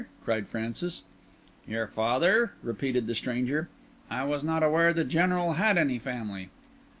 cried Francis. "Your father?" repeated the stranger. "I was not aware the General had any family."